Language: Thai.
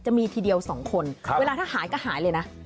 ทีเดียว๒คนเวลาถ้าหายก็หายเลยนะ